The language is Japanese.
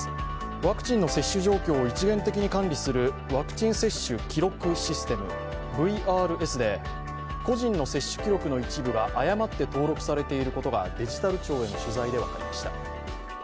ワクチンの接種状況を一元的に管理するワクチン接種記録システム＝ＶＲＳで個人の接種記録の一部が誤って登録されていることがデジタル庁への取材で分かりました。